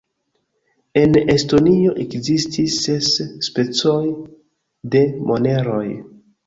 En Estonio ekzistis ses specoj de moneroj.